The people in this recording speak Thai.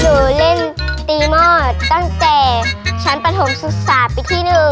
หนูเล่นตีหม้อตั้งแต่ชั้นปฐมศึกษาปีที่๑